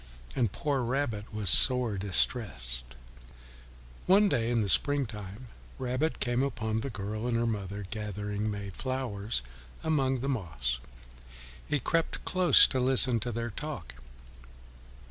And poor Rabbit was sore distressed. One fine day in the spring time, Rabbit came upon the girl and her mother gathering May flowers among the moss. He crept close to listen to their talk.